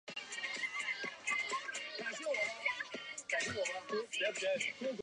大门外及两旁挖有水池。